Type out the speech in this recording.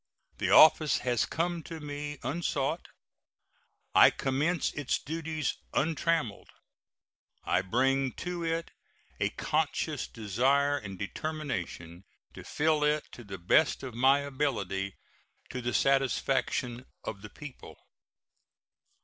The office has come to me unsought; I commence its duties untrammeled. I bring to it a conscious desire and determination to fill it to the best of my ability to the satisfaction of the people.